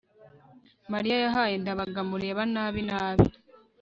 mariya yahaye ndabaga amureba nabi nabi